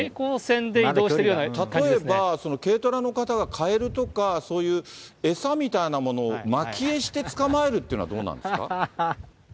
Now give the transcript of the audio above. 例えば、その軽トラの方がカエルとか、そういう餌みたいなものをまき餌して捕まえるっていうのはどうなははは。